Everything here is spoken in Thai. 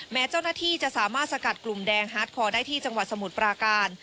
แม้เจ้าหน้าที่จะสามารถสกัดกลุ่มแดงฮาร์ดคอร์ได้ที่จังหวัดสมุทรปราการ